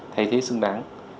thay thế xứng đáng